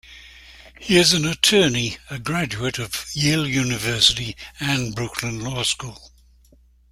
He is an attorney, a graduate of Yale University and Brooklyn Law School.